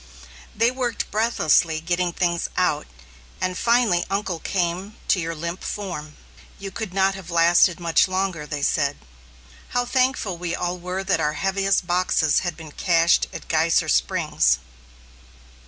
They worked breathlessly getting things out, and finally uncle came to your limp form. You could not have lasted much longer, they said. How thankful we all were that our heaviest boxes had been cached at Geyser Springs!